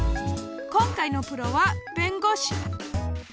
今回のプロは弁護士。